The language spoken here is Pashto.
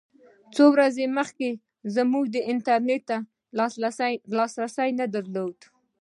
څو ورځې مخکې موږ انټرنېټ ته لاسرسی نه درلود.